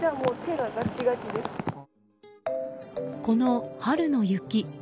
この春の雪